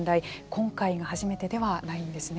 今回が初めてではないんですね。